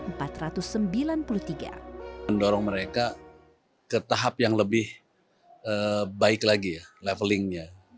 mendorong mereka ke tahap yang lebih baik lagi ya levelingnya